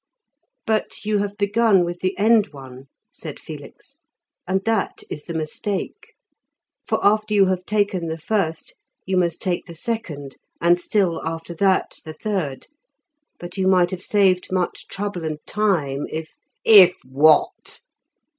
"But you have begun with the end one," said Felix, "and that is the mistake. For after you have taken the first you must take the second, and still after that the third. But you might have saved much trouble and time if " "If what?"